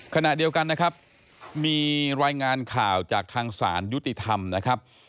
ขณะเดียวกันนะครับมีรายงานข่าวจากทางศาลยุติธรรมนะครับ